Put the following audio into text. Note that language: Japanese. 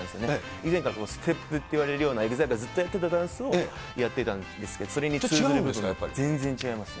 以前からステップっていわれるような、ＥＸＩＬＥがずっとやってたダンスをやっていたんですけど、それに通ずる部分がやっぱり、全然違いますね。